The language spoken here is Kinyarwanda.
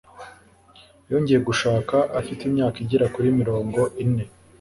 Yongeye gushaka afite imyaka igera kuri mirongo ine.